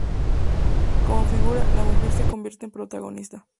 Como figura, la mujer se convierte en protagonista.